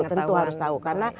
tentu harus tahu